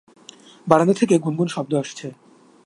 বারান্দা থেকে গুনগুন শব্দ আসছে।